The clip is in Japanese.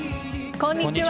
こんにちは。